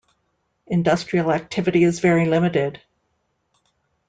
Industrial activity is very limited.